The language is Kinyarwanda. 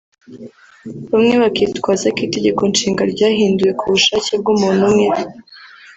bamwe bakitwaza ko Itegeko Nshinga ryahinduwe ku bushake bw’umuntu umwe